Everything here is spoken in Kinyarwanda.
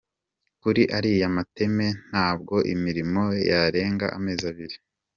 Kuri ariya mateme ntabwo imirimo yarenga amezi abiri.